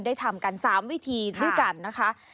ทำกัน๓วิธีด้วยกันนะคะ